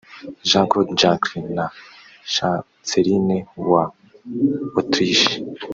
Jean Claude Juncker na Chancelier wa Autriche